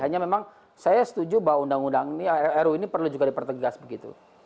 hanya memang saya setuju bahwa undang undang ini ru ini perlu juga dipertegas begitu